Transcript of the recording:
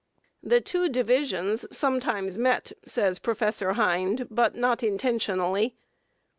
The two divisions sometimes met (says Professor Hind), but not intentionally.